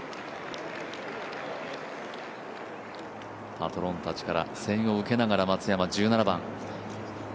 パトロンたちから声援を受けながら、松山、１７番。